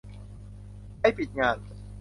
ไปปิดงาน